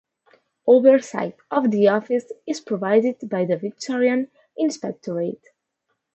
Oversight of the office is provided by the Victorian Inspectorate.